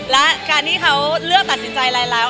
และการที่เขาเลือกตัดสินใจอะไรแล้ว